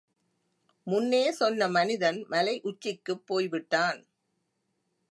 முன்னே சொன்ன மனிதன் மலை உச்சிக்குப் போய்விட்டான்.